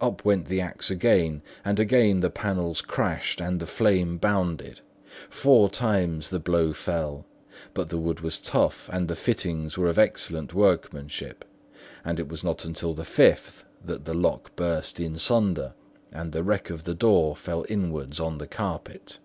Up went the axe again, and again the panels crashed and the frame bounded; four times the blow fell; but the wood was tough and the fittings were of excellent workmanship; and it was not until the fifth, that the lock burst and the wreck of the door fell inwards on the carpet.